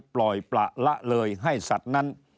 ปล่อยประละเลยให้สัตว์นั้น